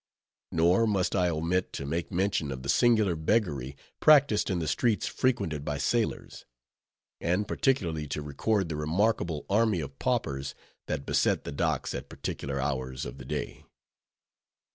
Nor must I omit to make mention of the singular beggary practiced in the streets frequented by sailors; and particularly to record the remarkable army of paupers that beset the docks at particular hours of the day.